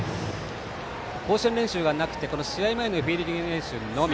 甲子園練習がなくて、試合前のフィールディング練習のみ。